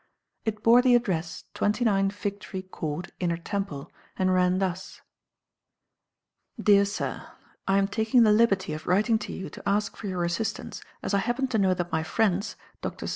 It bore the address, 29, Fig tree Court, Inner Temple, and ran thus: DEAR SIR, I am taking the liberty of writing to you to ask for your assistance as I happen to know that my friends, Drs.